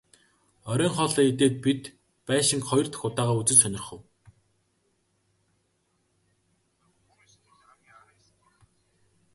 Оройн хоолоо идээд бид байшинг хоёр дахь удаагаа үзэж сонирхов.